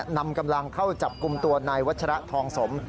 นำกำลังเข้าจับกลุ่มตัวนายวัชระทองสม